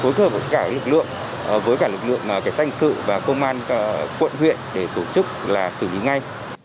chúng tôi phối thơ với cả lực lượng với cả lực lượng hành xã hội hành sự và công an quận huyện để tổ chức là xử lý ngay